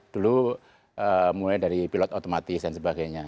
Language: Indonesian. dulu mulai dari pilot otomatis dan sebagainya